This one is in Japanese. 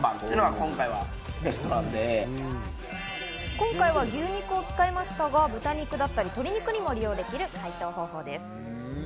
今回は牛肉を使いましたが豚肉だったり鶏肉にも利用できる解凍方法です。